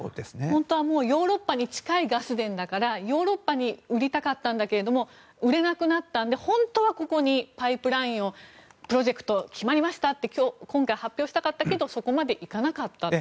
本当はヨーロッパに近いガス田だからヨーロッパに売りたかったんだけれども売れなくなったので本当はここにパイプラインをプロジェクト決まりましたと今回、発表したかったけどそこまでいかなかったと。